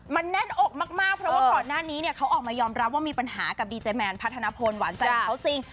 มันแน่นอกมากเพราะว่าก่อนหน้านี้เนี่ยเขาออกมายอมรับว่ามีปัญหากับดีเจแมนพัฒนพลหวานใจของเขาจริง